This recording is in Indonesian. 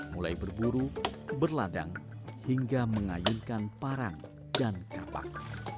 mulai berburu berladang hingga mengayunkan parang dan kapak